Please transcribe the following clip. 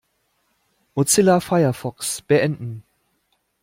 Mozilla Firefox beenden.